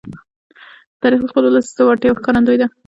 تاریخ د خپل ولس د وړتیاو ښکارندوی دی.